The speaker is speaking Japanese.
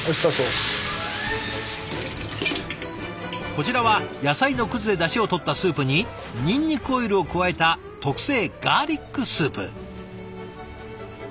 こちらは野菜のくずでだしをとったスープににんにくオイルを加えた特製ガーリックスープ。